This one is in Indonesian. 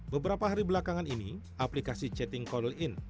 beberapa hari belakangan ini aplikasi chatting call in